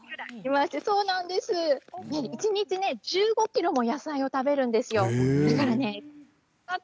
一日１５ｋｇも野菜を食べるんですよ。